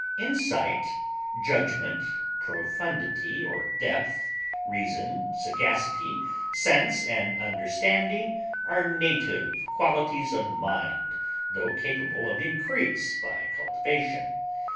Insight, judgment, profundity or depth, reason, sagacity, sense, and understanding are native qualities of mind, tho capable of increase by cultivation.